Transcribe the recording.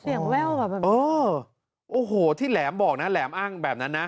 แว่วแบบเออโอ้โหที่แหลมบอกนะแหลมอ้างแบบนั้นนะ